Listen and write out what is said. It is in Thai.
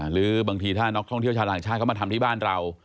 หรือบางทีถ้านักท่องเที่ยวชาวต่างชาติเข้ามาทำที่บ้านเรา